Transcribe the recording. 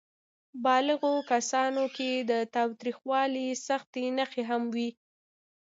بالغو کسانو کې د تاوتریخوالي سختې نښې هم وې.